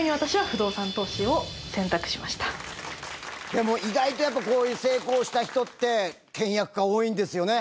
でも意外とやっぱりこういう成功した人って倹約家多いんですよね。